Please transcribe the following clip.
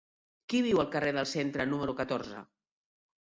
Qui viu al carrer del Centre número catorze?